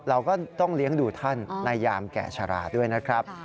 เราก็ต้องเลี้ยงดูท่านในยามแก่ชะลาด้วยนะครับ